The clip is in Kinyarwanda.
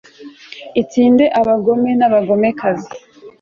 utsinde abagome n,abagomekazi